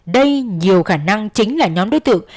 đây nhiều khả năng chính là nhóm đối tượng